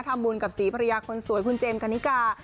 ทำบุญกับศรีภรรยาคนสวยคุณเจมส์กันนิกา